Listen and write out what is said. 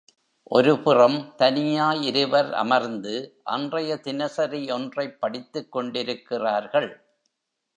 ஒரு புறம் தனியாய் இருவர் அமர்ந்து அன்றைய தினசரி ஒன்றைப் படித்துக்கொண்டிருக்கிறார்கள்.